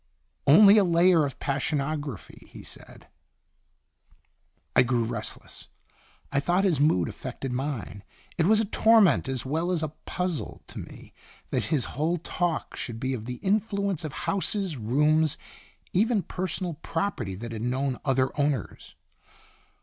" Only a layer of passionog raphy," he said. I grew restless. I thought his mood affected mine. It was a torment as well as a puzzle to me that his whole talk should be of the influ ence of houses, rooms, even personal property that had known other owners.